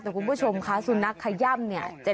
แต่คุณผู้ชมค่ะสุนัขขย่ำเนี่ย